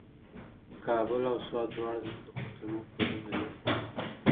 کابل او سوات دواړه زموږ د پښتنو کورونه دي.